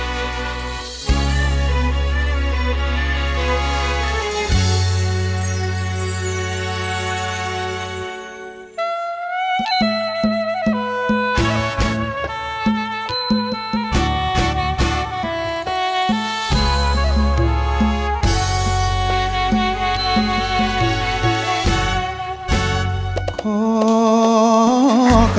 โคตรโครม